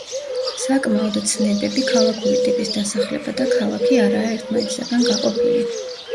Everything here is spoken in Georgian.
საკმაოდ ცნებები ქალაქური ტიპის დასახლება და ქალაქი არაა ერთმანეთისაგან გაყოფილი.